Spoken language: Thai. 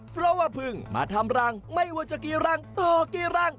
เพราะว่าพึ่งมาทำรังไม่ว่าจะกี่รังต่อกี่รัง